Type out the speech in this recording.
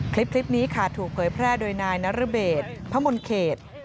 คลิปนี้ค่ะถูกเผยแพร่โดยนายนรเบศพะมนเขต